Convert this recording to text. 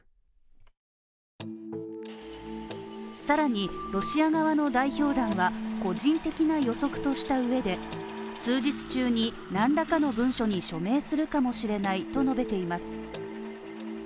更にロシア側の代表団は、個人的な予測としたうえで数日中に、なんらかの文書に署名するかもしれないと述べています。